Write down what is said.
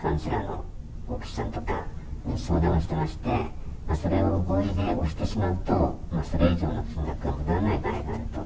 カウンセラーの牧師さんとかに相談をしてまして、それを合意書に同意してしまうと、それ以上の金額は戻らない場合があると。